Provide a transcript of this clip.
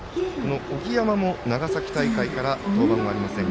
荻山も長崎大会から登板はありません。